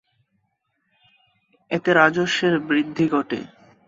এতে রাজস্বের বৃদ্ধি ঘটে।